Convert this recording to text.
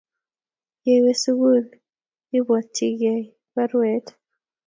Yeiwe sukul ibwatviyaku barwet.